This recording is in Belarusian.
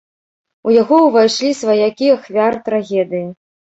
У яго ўвайшлі сваякі ахвяр трагедыі.